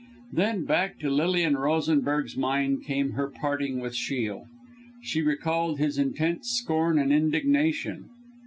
Then back to Lilian Rosenberg's mind came her parting with Shiel she recalled his intense scorn and indignation.